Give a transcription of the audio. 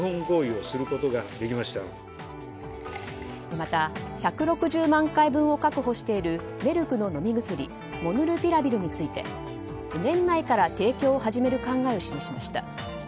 また、１６０万回分を確保している、メルクの飲み薬モルヌピラビルについて年内から提供を始める考えを示しました。